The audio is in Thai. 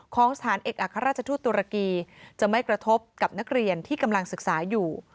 ของสถานเอกอัครราชทูตตุรกีจะไม่กระทบกับนักเรียนที่กำลังศึกษาอยู่